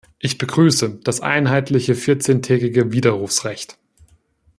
Ich begrüße das einheitliche vierzehntägige Widerrufsrecht.